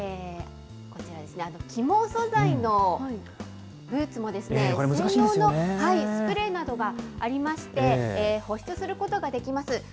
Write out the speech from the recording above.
こちらですね、起毛素材のブーツも専用のスプレーなどがありまして、保湿することができます。